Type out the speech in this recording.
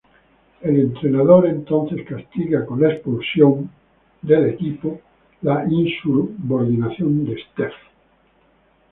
El entrenador entonces castiga con la expulsión tal insubordinación de Stef del equipo.